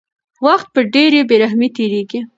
وخت په ډېرې بې رحمۍ تېرېږي.